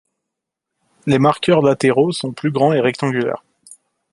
Les marqueurs latéraux sont plus grands et rectangulaires.